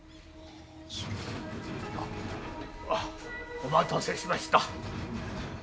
お待たせしました。